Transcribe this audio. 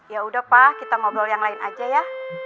yaudah pak kita ngobrol yang lain aja ya